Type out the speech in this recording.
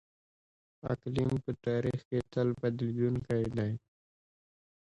اقلیم په تاریخ کې تل بدلیدونکی دی.